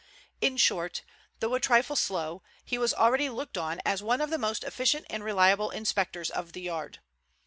In short, though a trifle slow, he was already looked on as one of the most efficient and reliable inspectors of the Yard.